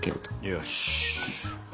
よし。